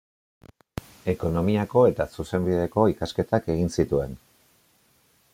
Ekonomiako eta Zuzenbideko ikasketak egin zituen.